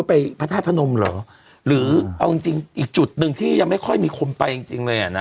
ไปพระธาตุพนมเหรอหรือเอาจริงจริงอีกจุดหนึ่งที่ยังไม่ค่อยมีคนไปจริงจริงเลยอ่ะนะ